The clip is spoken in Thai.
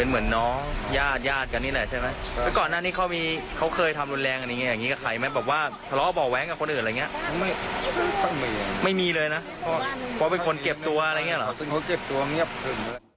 ไม่มีเลยนะเพราะเป็นคนเก็บตัวอะไรอย่างนี้หรอ